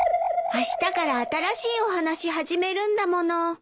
あしたから新しいお話始めるんだもの。